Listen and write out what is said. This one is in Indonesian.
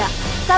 salah satu hal